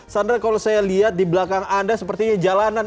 sandra kalau saya lihat di belakang anda sepertinya jalanan